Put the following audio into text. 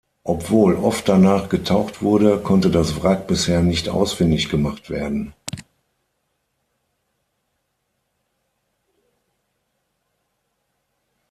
Obwohl oft danach getaucht wurde, konnte das Wrack bisher nicht ausfindig gemacht werden.